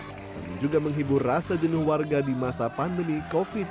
namun juga menghibur rasa jenuh warga di masa pandemi covid sembilan belas